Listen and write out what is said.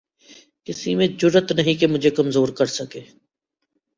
کسی میں جرات نہیں کہ مجھے کمزور کر سکے